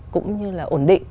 cũng như là ổn định